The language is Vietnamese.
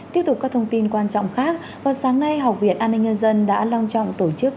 tiếp tục các thông tin quan trọng khác vào sáng nay học viện an ninh nhân dân đã long trọng tổ chức